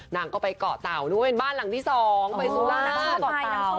นางก็ไปเกาะเตาด้วยบ้านหลังที่๒ไปสุราญ